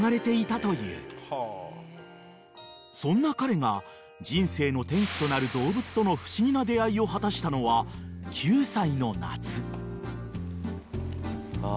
［そんな彼が人生の転機となる動物との不思議な出合いを果たしたのは９歳の夏］